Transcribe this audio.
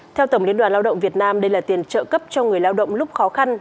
theo tổng liên đoàn lao động việt nam đây là tiền trợ cấp cho người lao động lúc khó khăn